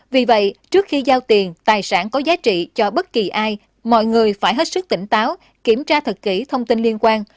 vì vậy trước khi giao tiền tài sản có giá trị cho bất kỳ ai mọi người phải hết sức tỉnh táo kiểm tra thật kỹ thông tin liên quan